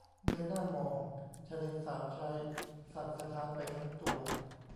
เงยหน้ามอง ฉันเห็นสาวใช้สั่นสะท้านไปทั้งตัว